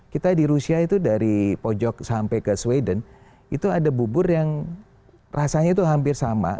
kita di rusia itu dari pojok sampai ke sweden itu ada bubur yang rasanya itu hampir sama